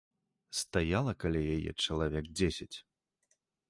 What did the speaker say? Стаяла каля яе чалавек дзесяць.